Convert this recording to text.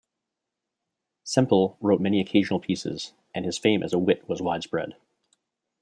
Sempill wrote many occasional pieces, and his fame as a wit was widespread.